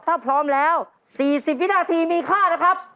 ถ้าพร้อมแล้ว๔๐วินาทีมีค่านะครับ